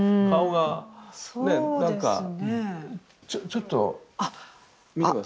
ちょっと見て下さい。